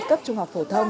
cấp trung học phổ thông